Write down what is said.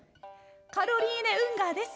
「カロリーネ・ウンガーです。